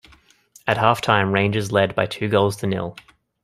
At half-time Rangers led by two goals to nil.